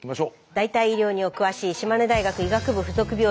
代替医療にお詳しい島根大学医学部附属病院